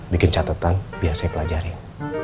bikin catatan biar saya pelajarin